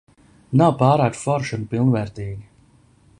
Nav pārāk forši un pilnvērtīgi.